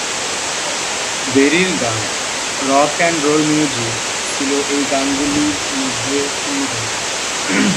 বেরির গান "rock and roll music" ছিল এই গানগুলোর মধ্যে অন্যতম।